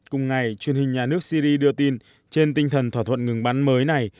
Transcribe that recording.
cùng ngày truyền hình nhà nước syri đưa tin trên tinh thần thỏa thuận ngừng bắn mới này